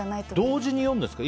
同時に読むんですか？